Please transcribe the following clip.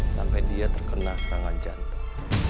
sampai dia terkena serangan jantung